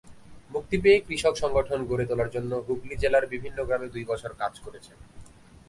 মুক্তি পেয়ে কৃষক সংগঠন গড়ে তোলার জন্য হুগলী জেলার বিভিন্ন গ্রামে দুই বছর কাজ করেছেন।